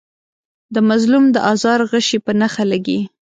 د مظلوم د آزار غشی په نښه لګي.